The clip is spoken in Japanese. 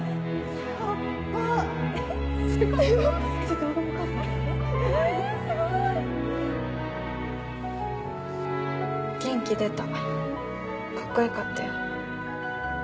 すごい！元気出たカッコよかったよ。